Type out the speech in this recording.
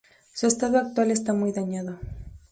Su estado actual está muy dañado.